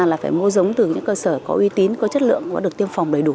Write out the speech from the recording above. là phải mua giống từ những cơ sở có uy tín có chất lượng cũng được tiêm phòng đầy đủ